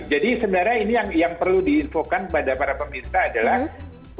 jadi sebenarnya ini yang perlu diinfokan pada para pemirsa adalah